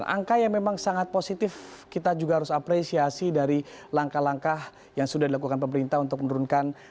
angka yang memang sangat positif kita juga harus apresiasi dari langkah langkah yang sudah dilakukan pemerintah untuk menurunkan